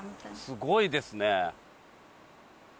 すごいですね。